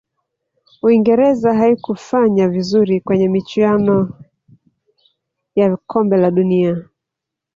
uingereza haikufanya vizuri kwenye michuano ya kombe la dunia